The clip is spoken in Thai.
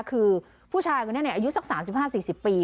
คือผู้ชายคนนี้อายุสัก๓๕๔๐ปี